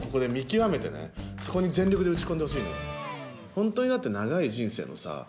本当にだって長い人生のさ